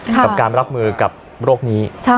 กับการรับมือกับโรคนี้